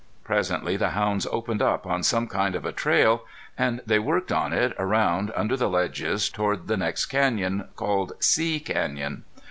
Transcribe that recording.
Presently the hounds opened up on some kind of a trail and they worked on it around under the ledges toward the next canyon, called See Canyon.